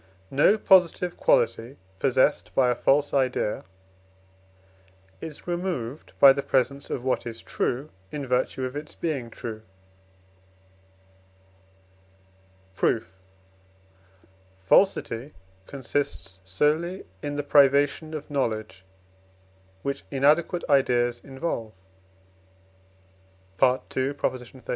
No positive quality possessed by a false idea is removed by the presence of what is true, in virtue of its being true. Proof. Falsity consists solely in the privation of knowledge which inadequate ideas involve (II. xxxv.)